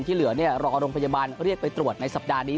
ที่เหลือรอโรงพยาบาลเรียกไปตรวจในสัปดาห์นี้